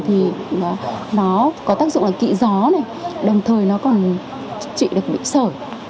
thì nó có tác dụng là kị gió này đồng thời nó còn trị được bị sở